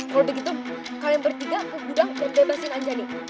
kalau begitu kalian bertiga ke gudang dan bebasin anjani